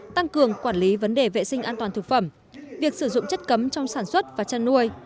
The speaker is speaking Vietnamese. tăng cường quản lý vấn đề vệ sinh an toàn thực phẩm việc sử dụng chất cấm trong sản xuất và chăn nuôi